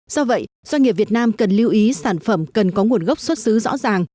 do vậy doanh nghiệp việt nam cần lưu ý sản phẩm cần có nguồn gốc xuất xứ rõ ràng